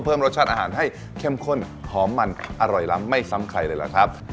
เพิ่มรสชาติอาหารให้เข้มข้นหอมมันอร่อยล้ำไม่ซ้ำใครเลยล่ะครับ